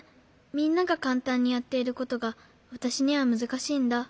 みんながかんたんにやっていることがわたしにはむずかしいんだ。